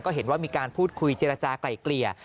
ก็เห็นว่ามีการพูดคุยเจรจากลายเกลี่ย